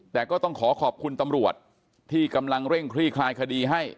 แต่ก็ต้องขอขอบคุณตำรวจที่กำลังเร่งคลี่คลายคดีให้